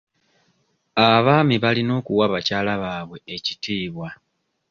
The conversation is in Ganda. Abaami balina okuwa bakyala baabwe ekitiibwa.